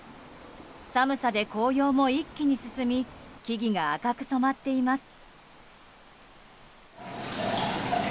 寒さで紅葉も一気に進み木々が赤く染まっています。